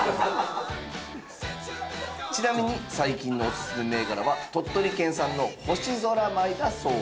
ちなみに最近のおすすめ銘柄は鳥取県産の星空舞だそうです。